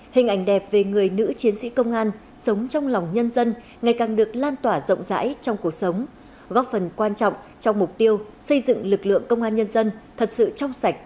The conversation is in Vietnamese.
hình ảnh đẹp về người nữ chiến sĩ công an sống trong lòng nhân dân ngày càng được lan tỏa rộng rãi trong cuộc sống góp phần quan trọng trong mục tiêu xây dựng lực lượng công an nhân dân thật sự trong sạch